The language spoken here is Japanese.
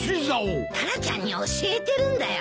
タラちゃんに教えてるんだよ。